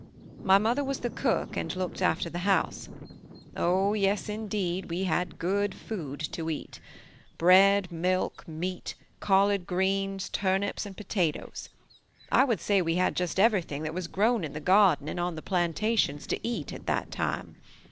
"My mother was the cook and looked after the house. Oh, yes indeed, we had good food to eat. Bread, milk, meat, collard greens, turnips, and potatoes. I would say we had just everything that was grown in the garden and on the plantations to eat at that time.